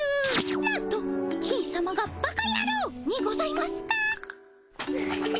なんと金さまが「バカやろう」にございますか。